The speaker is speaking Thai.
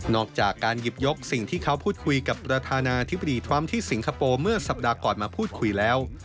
อกจากการหยิบยกสิ่งที่เขาพูดคุยกับประธานาธิบดีทรัมป์ที่สิงคโปร์เมื่อสัปดาห์ก่อนมาพูดคุยแล้ว